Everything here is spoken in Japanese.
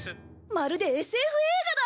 まるでＳＦ映画だ！